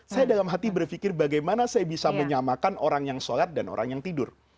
saya dalam hati berpikir bagaimana saya bisa menyamakan orang yang sholat dan orang yang tidur